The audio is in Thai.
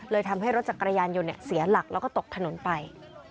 ทำให้รถจักรยานยนต์เสียหลักแล้วก็ตกถนนไป